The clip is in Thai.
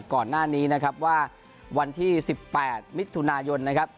ก่อนหน้านี้นะครับว่าวันที่๑๘มิถุนายนนะครับ